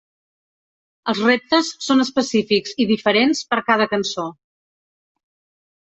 Els reptes són específics i diferents per cada cançó.